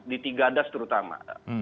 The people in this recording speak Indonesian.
di tiga das terutama